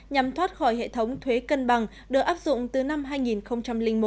nhằm thoát khỏi hệ thống thuế cân bằng được áp dụng từ năm hai nghìn một